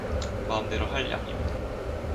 마음대로 할 양이면